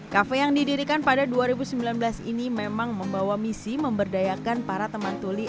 kafe yang didirikan pada dua ribu sembilan belas ini memang membawa misi memberdayakan para teman tuli